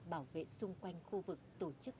bảo vệ xung quanh khu vực tổ chức